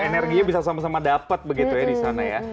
energinya bisa sama sama dapat begitu ya disana ya